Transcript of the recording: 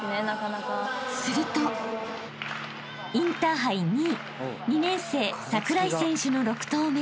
［インターハイ２位２年生櫻井選手の６投目］